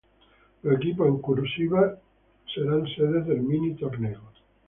Los equipos en "cursiva" serán sede del mini-torneo.